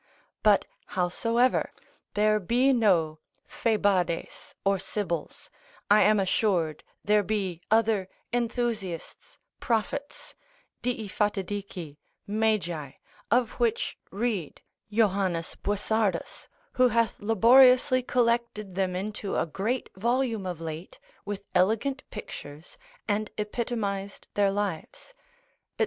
But, howsoever, there be no Phaebades or sibyls, I am assured there be other enthusiasts, prophets, dii Fatidici, Magi, (of which read Jo. Boissardus, who hath laboriously collected them into a great volume of late, with elegant pictures, and epitomised their lives) &c.